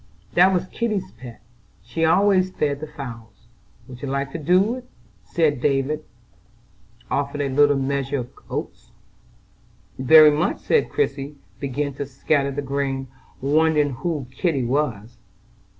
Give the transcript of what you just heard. "That was Kitty's pet, she always fed the fowls. Would you like to do it?" and David offered a little measure of oats. "Very much;" and Christie began to scatter the grain, wondering who "Kitty" was.